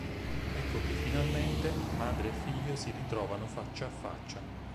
Ecco che finalmente madre e figlio si ritrovano faccia a faccia.